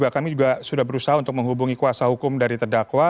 kami juga sudah berusaha untuk menghubungi kuasa hukum dari terdakwa